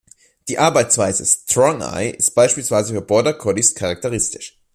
Die Arbeitsweise „Strong Eye“ ist beispielsweise für Border Collies charakteristisch.